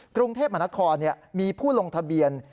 กรุงเทพมหานครมีผู้ลงทะเบียน